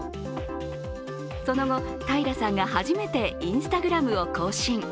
その後、平さんが初めてＩｎｓｔａｇｒａｍを更新。